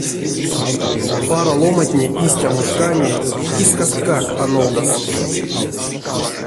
Паро ломантне истямо шкане кискасткак а нолдасызь.